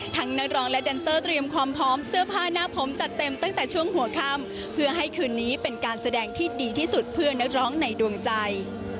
นักร้องและแดนเซอร์เตรียมความพร้อมเสื้อผ้าหน้าผมจัดเต็มตั้งแต่ช่วงหัวค่ำเพื่อให้คืนนี้เป็นการแสดงที่ดีที่สุดเพื่อนนักร้องในดวงใจ